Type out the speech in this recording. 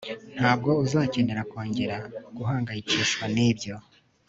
Ntabwo uzakenera kongera guhangayikishwa nibyo